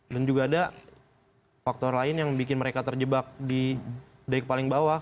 dan juga ada faktor lain yang bikin mereka terjebak di dek paling bawah